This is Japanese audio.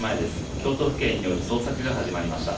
京都府警による捜索が始まりました。